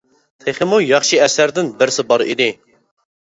تېخىمۇ ياخشى ئەسەردىن بىرسى بار ئىدى.